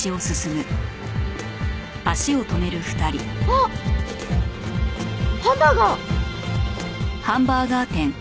あっハンバーガー！